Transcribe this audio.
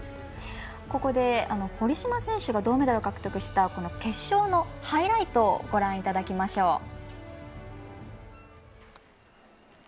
ここで、堀島が銅メダルを獲得した決勝のハイライトをご覧いただきましょう。